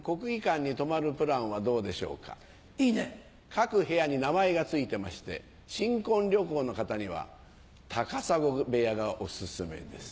各部屋に名前が付いてまして新婚旅行の方には高砂部屋がお薦めです。